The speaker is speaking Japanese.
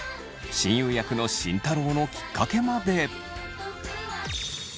親友役の慎太郎のきっかけまで。